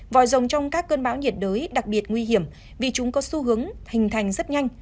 vòi rồng trong các cơn bão nhiệt đới đặc biệt nguy hiểm vì chúng có xu hướng hình thành rất nhanh